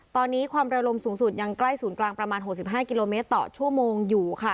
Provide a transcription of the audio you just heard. ตอนนี้ความเร็วลมสูงสุดยังใกล้ศูนย์กลางประมาณ๖๕กิโลเมตรต่อชั่วโมงอยู่ค่ะ